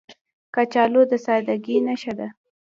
کچالو د سادګۍ نښه ده